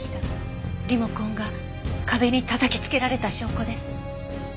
リモコンが壁にたたきつけられた証拠です。